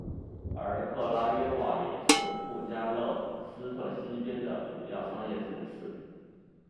而克拉约瓦也是布加勒斯特西边的主要商业城市。